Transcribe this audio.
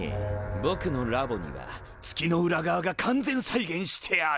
ぼくのラボには月の裏側が完全再現してある。